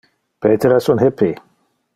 Peter es un hippy.